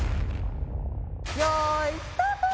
よいスタート！